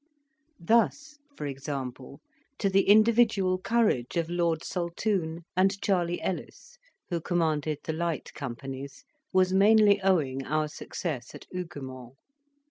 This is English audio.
Thus, for example, to the individual courage of Lord Saltoun and Charley Ellis, who commanded the light companies, was mainly owing our success at Huguemont.